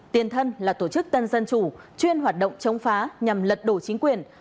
tiền thân là tổ chức tân dân chủ chuyên hoạt động chống phá nhằm lật đổ chính quyền